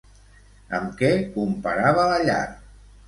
Amb què comparava la llar?